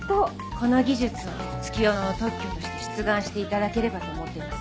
この技術を月夜野の特許として出願していただければと思っています。